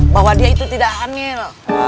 bahwa dia itu tidak hamil